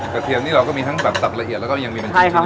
กระเทียมนี่เราก็มีทั้งสับละเอียดแล้วก็ยังมีเป็นชิ้นใช่ครับ